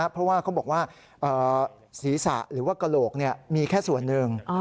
เพราะว่าเขาบอกว่าศีรษะหรือว่ากระโหลกมีแค่ส่วนหนึ่ง